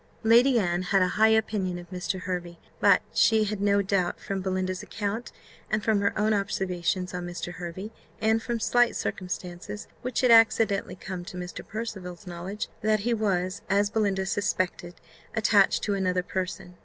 Lady Anne had a high opinion of Mr. Hervey; but she had no doubt, from Belinda's account, and from her own observations on Mr. Hervey, and from slight circumstances which had accidentally come to Mr. Percival's knowledge, that he was, as Belinda suspected, attached to another person.